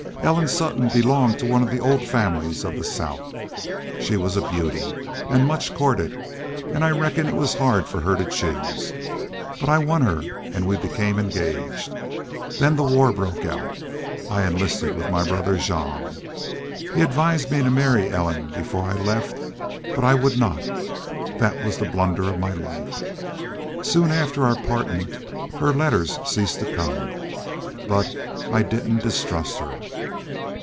Ellen Sutton belonged to one of the old families of the South. She was a beauty, an' much courted, an' I reckon it was hard for her to choose. But I won her an' we became engaged. Then the war broke out. I enlisted with my brother Jean. He advised me to marry Ellen before I left. But I would not. That was the blunder of my life. Soon after our partin' her letters ceased to come. But I didn't distrust her.